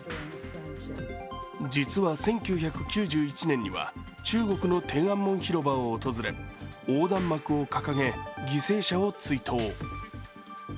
実は、１９９１年には中国の天安門広場を訪れ、横断幕を掲げ、犠牲者を追悼。